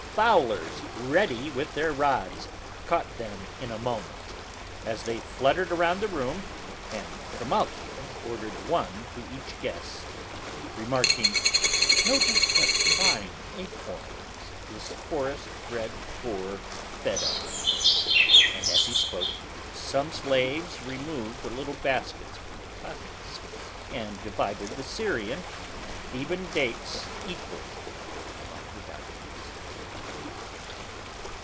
fowlers, ready with their rods, caught them in a moment, as they fluttered around the room and Trimalchio ordered one to each guest, remarking, "Notice what fine acorns this forest bred boar fed on," and as he spoke, some slaves removed the little baskets from the tusks and divided the Syrian and Theban dates equally among the diners.